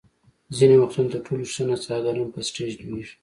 ځینې وختونه تر ټولو ښه نڅاګر هم په سټېج لویږي.